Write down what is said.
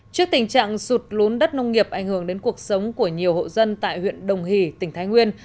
trước tình trạng sụt lún đất nông nghiệp ảnh hưởng đến cuộc sống của nhiều hộ dân tại huyện đồng hỷ tỉnh thái nguyên